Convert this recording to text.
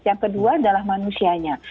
yang kedua adalah manusianya